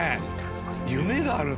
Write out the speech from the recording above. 夢があるね！